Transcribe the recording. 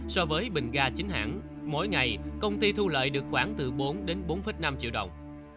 so với bình ga chính hãng mỗi ngày công ty thu lợi được khoảng từ bốn đến bốn năm triệu đồng